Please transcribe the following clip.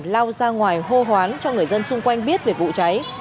lao ra ngoài hô hoán cho người dân xung quanh biết về vụ cháy